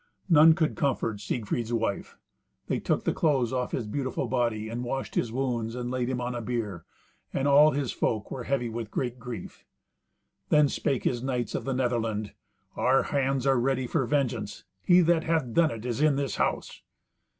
None could comfort Siegfried's wife. They took the clothes off his beautiful body, and washed his wounds and laid him on a bier, and all his folk were heavy with great grief. Then spake his knights of the Netherland, "Our hands are ready for vengeance. He that hath done it is in this house."